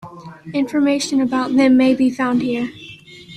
Information about them may be found here.